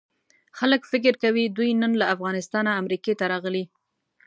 خلک فکر کوي دوی نن له افغانستانه امریکې ته راغلي.